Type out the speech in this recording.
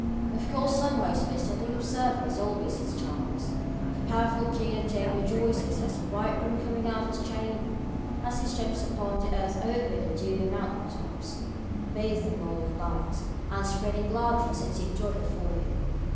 Of course, sunrise to the æsthetic observer has always its charms. The powerful king of day rejoices "as a bridegroom coming out of his chamber" as he steps upon the earth over the dewy mountain tops, bathing all in light, and spreading gladness and deep joy before him.